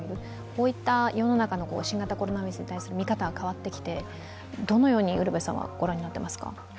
こういった世の中の新型コロナウイルスに対する見方が変わってきてどのように御覧になっていますか？